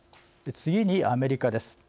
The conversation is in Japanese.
次にアメリカです。